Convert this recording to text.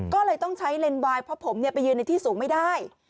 ก็เลยต้องใช้เลนวายเพราะผมไปยืนในที่สูงไม่ได้